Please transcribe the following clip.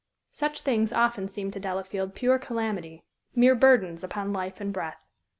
Such things often seemed to Delafield pure calamity mere burdens upon life and breath.